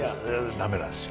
ダメなんですよ